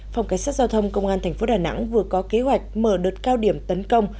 phòng cảnh sát giao thông công an tp đà nẵng vừa có kế hoạch mở đợt cao điểm tấn công